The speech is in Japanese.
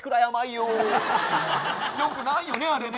よくないよねあれね。